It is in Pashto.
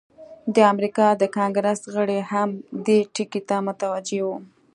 د امریکا د کانګریس غړي هم دې ټکي ته متوجه وو.